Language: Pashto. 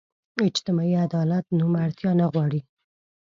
اجتماعي عدالت نوم اړتیا نه غواړو.